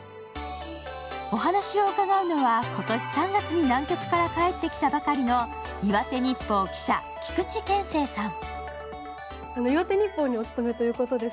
お話を伺うのは今年３月に南極から帰ってきたばかりの岩手日報記者、菊池健生さん。